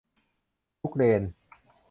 ทุกเลน